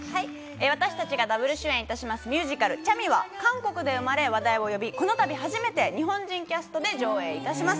私たちがダブル主演いたしますミュージカル『＃チャミ』は韓国で話題を呼び、この度初めて日本人キャストで上演いたします。